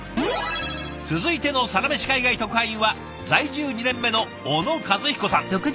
続いての「サラメシ海外特派員」は在住２年目の小野一彦さん。